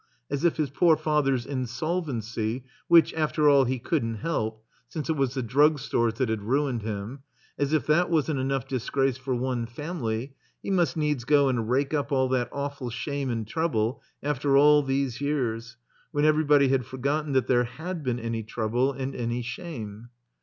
As if his poor father's insolvency, which, after all, he couldn't help (since it was the Drug Stores that had ruined him), as if that wasn't enough disgrace for one family, he must needs go and rake up all that awful shame and trouble, after all these years, when everybody had forgotten that there had been any trouble and any shame.